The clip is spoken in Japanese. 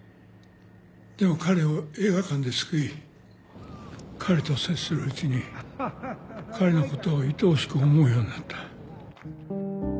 でも彼を映画館で救い彼と接するうちに彼のことをいとおしく思うようになった。